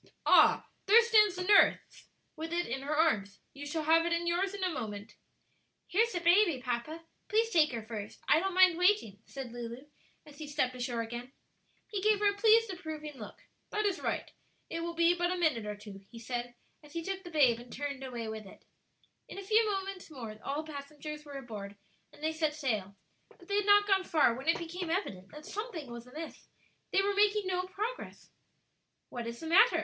"Ah, there stands the nurse with it in her arms. You shall have it in yours in a moment." "Here's the baby, papa; please take her first; I don't mind waiting," said Lulu, as he stepped ashore again. He gave her a pleased, approving look. "That is right; it will be but a minute or two," he said, as he took the babe and turned away with it. In a few minutes more, all the passengers were aboard, and they set sail; but they had not gone far when it became evident that something was amiss; they were making no progress. "What is the matter?"